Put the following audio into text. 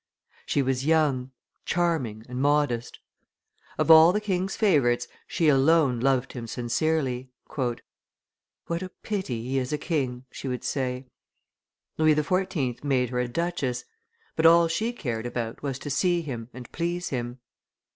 She was young, charming, and modest. Of all the king's favorites she alone loved him sincerely. "What a pity he is a king!" she would say. Louis XIV. made her a duchess; but all she cared about was to see him and please him.